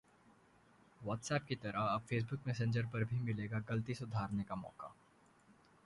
WhatsApp की तरह अब Facebook मैसेंजर पर भी मिलेगा 'गलती' सुधारने का मौका